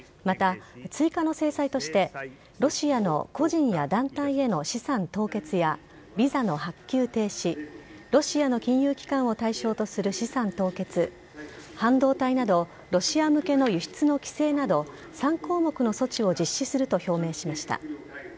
また、追加の制裁としてロシアの個人や団体への資産凍結やビザの発給停止ロシアの金融機関を対象とする資産凍結半導体などロシア向けの輸出の規制など３項目の措置を実施すると表明しました。